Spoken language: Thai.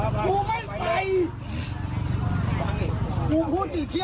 ถ้ามึงเก่งจริงมึงมาหากูได้เลย